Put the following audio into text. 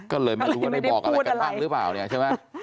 ก็เลยไม่รู้ว่าได้บอกอะไรกันบ้างหรือเปล่าเนี่ยใช่ไหม